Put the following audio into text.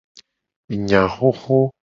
Enya xoxo.